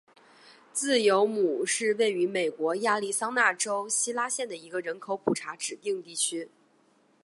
自由亩是位于美国亚利桑那州希拉县的一个人口普查指定地区。